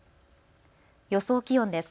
予想気温です。